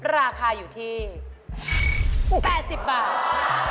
ราคาอยู่ที่๘๐บาท